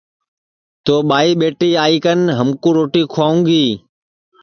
تو ٻائی ٻیٹی آئی کن ہمکُو روٹی کُھوائیو گی